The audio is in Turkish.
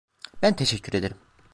Ben teşekkür ederim.